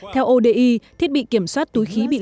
theo odi thiết bị kiểm soát túi khí bị